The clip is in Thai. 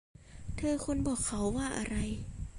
เธอควรบอกเขาว่าอะไร